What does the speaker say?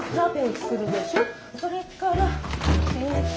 それからえっと。